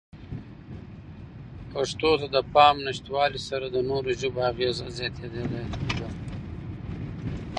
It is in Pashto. پښتو ته د پام نشتوالې سره د نورو ژبو اغېزه زیاتېدلې ده.